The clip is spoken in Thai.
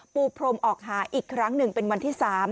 ปูพรมออกหาอีกครั้งหนึ่งเป็นวันที่๓